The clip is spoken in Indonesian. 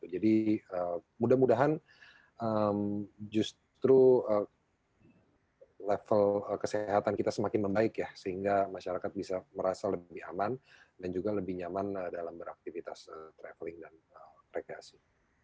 jadi mudah mudahan justru level kesehatan kita semakin membaik sehingga masyarakat bisa merasa lebih aman dan juga lebih nyaman dalam beraktivitas perjalanan dan rekreasi